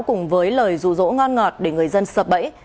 cùng với lời rụ rỗ ngon ngọt để người dân sập bẫy